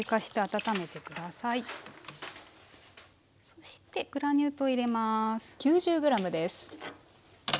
そしてグラニュー糖入れます。